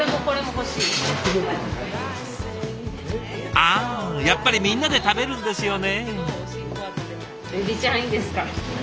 あやっぱりみんなで食べるんですよね。